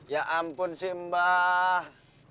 ya ampun sih mbah